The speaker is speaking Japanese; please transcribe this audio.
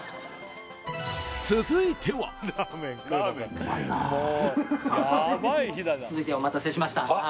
うまいなあ続いてはお待たせしました